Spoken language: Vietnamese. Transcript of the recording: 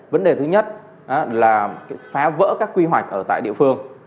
vấn đề thứ nhất là phá vỡ các quy hoạch ở tại địa phương